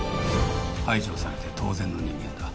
排除されて当然の人間だ！